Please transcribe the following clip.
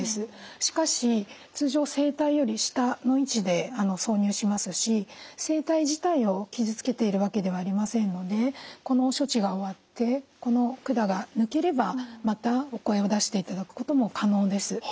しかし通常声帯より下の位置で挿入しますし声帯自体を傷つけているわけではありませんのでこの処置が終わってこの管が抜ければまたお声を出していただくことも可能です。